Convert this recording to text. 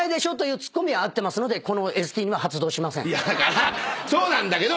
だからそうなんだけど。